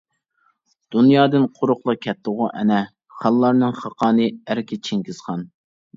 دۇنيادىن قۇرۇقلا كەتتىغۇ ئەنە، خانلارنىڭ خاقانى ئەركە چىڭگىزخان.